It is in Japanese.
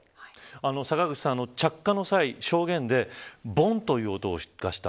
坂口さん、着火の際証言でボンっという音がした。